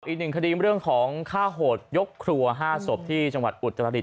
อีกหนึ่งคดีเรื่องของฆ่าโหดยกครัว๕ศพที่จังหวัดอุตรดิษ